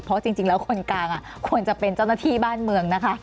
เพราะจริงแล้วคนกลางควรจะเป็นเจ้าหน้าที่บ้านเมืองนะคะ